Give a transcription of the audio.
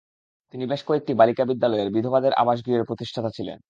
তিনি বেশ কয়েকটি বালিকা বিদ্যালয়ের, বিধবাদের আবাসগৃহের প্রতিষ্ঠাতা ছিলেন।